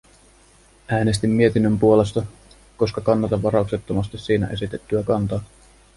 Äänestin mietinnön puolesta, koska kannatan varauksettomasti siinä esitettyä kantaa.